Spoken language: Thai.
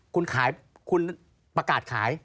คุณขายคุณประกาศขาย